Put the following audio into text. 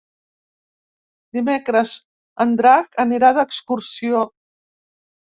Dimecres en Drac anirà d'excursió.